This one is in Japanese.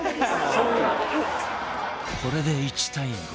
これで１対５